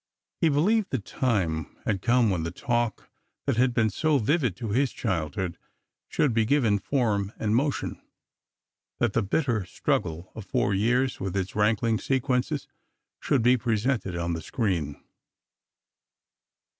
He believed the time had come when the talk that had been so vivid to his childhood, should be given form and motion—that the bitter struggle of four years, with its rankling sequences, should be presented on the screen.